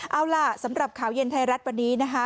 เอาล่ะสำหรับข่าวเย็นไทยรัฐวันนี้นะคะ